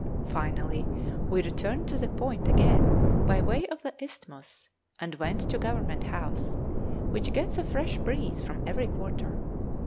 Finally, we returned to the Point again by way of the Isthmus, and went to Government House, which gets a fresh breeze from every quarter.